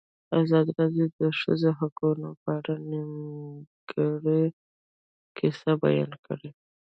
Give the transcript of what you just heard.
ازادي راډیو د د ښځو حقونه په اړه د نېکمرغۍ کیسې بیان کړې.